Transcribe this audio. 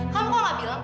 kamu kok gak bilang